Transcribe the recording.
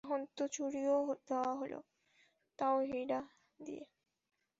এখন তো চুড়িও দেওয়া হলো, তাও হীরা দিয়ে।